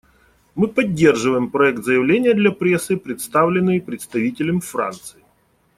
Мы поддерживаем проект заявления для прессы, представленный представителем Франции.